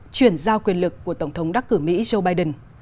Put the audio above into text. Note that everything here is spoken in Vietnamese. chuyển giao quyền lực của tổng thống đắc cử mỹ joe biden